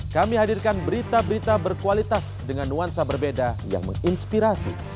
kami hadirkan berita berita berkualitas dengan nuansa berbeda yang menginspirasi